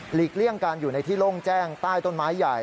เลี่ยงการอยู่ในที่โล่งแจ้งใต้ต้นไม้ใหญ่